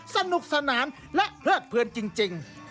สนุกสนานและเพื่อนจริง